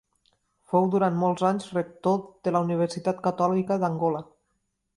Fou durant molts anys Rector de la Universitat Catòlica d'Angola.